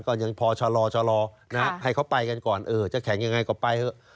ยังพอชะลอให้เขาไปกันก่อนเออจะแข่งยังไงก็ไปเถอะ